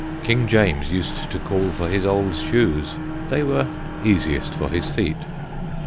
King James used to call for his old Shoes; they were easiest for his Feet.